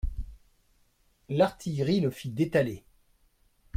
L'artillerie le fit détaler.